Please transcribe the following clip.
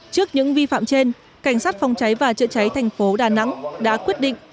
trước những vi phạm trên cảnh sát phòng cháy và chữa cháy thành phố đà nẵng đã quyết định